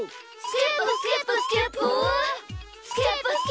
スキップスキップスキップゥ！